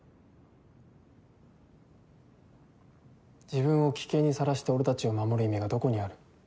自分を危険に晒して俺たちを守る意味がどこにある？